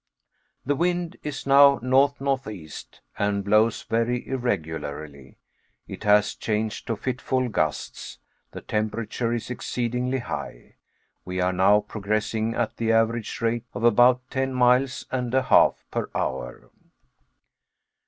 The wind is now N. N. E., and blows very irregularly. It has changed to fitful gusts. The temperature is exceedingly high. We are now progressing at the average rate of about ten miles and a half per hour.